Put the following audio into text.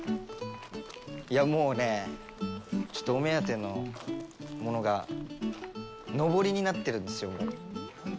もうね、お目当てのものがのぼりになってるんですよね。